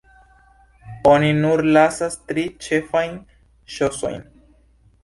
Oni nur lasas tri ĉefajn ŝosojn.